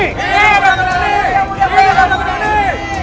hidup rangga gini